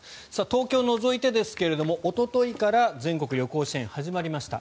東京を除いでですがおとといから全国旅行支援が始まりました。